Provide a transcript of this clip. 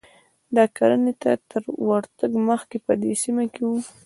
دا کرنې ته تر ورتګ مخکې په دې سیمه کې و